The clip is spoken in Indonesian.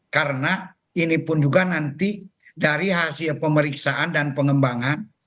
karena ini pun juga nanti dari hasil pemeriksaan dan pengembangan